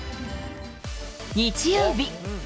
日曜日。